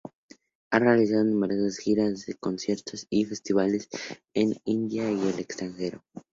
Ha realizado numerosas giras de conciertos y festivales en la India y el extranjero.